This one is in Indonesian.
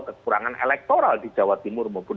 kekurangan elektoral di jawa timur maupun